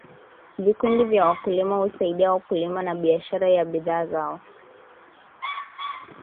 vikundi vya wakulima husaidia wakulima na biashara ya bidhaa zao